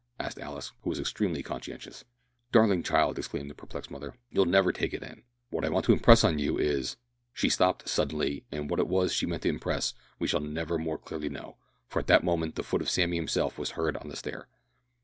asked Alice, who was extremely conscientious. "Darling child," exclaimed the perplexed mother, "you'll never take it in. What I want to impress on you is " She stopped, suddenly, and what it was she meant to impress we shall never more clearly know, for at that moment the foot of Sammy himself was heard on the stair.